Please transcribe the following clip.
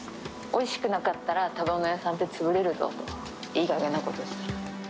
おいしくなかったら、食べ物屋さんって潰れるぞって、いいかげんなことをしたら。